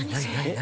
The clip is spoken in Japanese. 何？